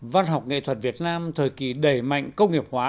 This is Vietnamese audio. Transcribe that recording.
văn học nghệ thuật việt nam thời kỳ đẩy mạnh công nghiệp hóa